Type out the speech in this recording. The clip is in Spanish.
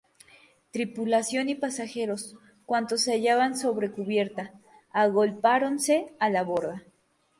tripulación y pasajeros, cuantos se hallaban sobre cubierta, agolpáronse a la borda.